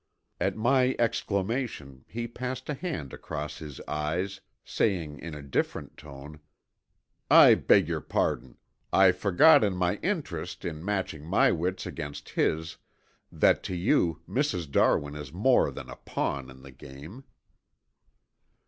At my exclamation, he passed a hand across his eyes, saying in a different tone, "I beg your pardon. I forgot in my interest in matching my wits against his, that to you Mrs. Darwin is more than a pawn in the game."